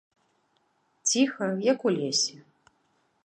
Ціха, як у лесе.